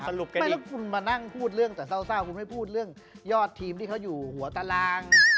แล้วคุณมานั่งพูดเรื่องแต่เศร้าคุณไม่พูดเรื่องยอดทีมที่เขาอยู่หัวตาราง